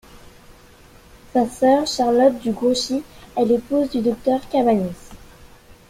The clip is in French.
Sa sœur, Charlotte de Grouchy, est l'épouse du docteur Cabanis.